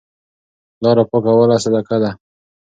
لاره پاکول صدقه ده.